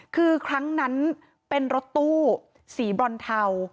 คือครั้งนั้นเป็นรถตู้สีบรอนเทา